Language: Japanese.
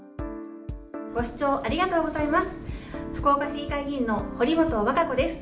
ご視聴ありがとうございます。